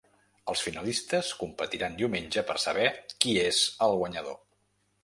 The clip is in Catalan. Els finalistes competiran diumenge per saber qui és el guanyador.